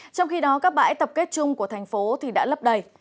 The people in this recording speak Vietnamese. trong khi đó các bãi tập kết chung của thành phố đã lấp đầy